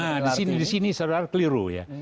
nah di sini di sini saudara keliru ya